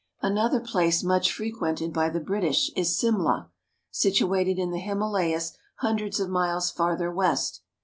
Another place much frequented by the British is Simla, situated in the Himalayas hundreds of miles farther west.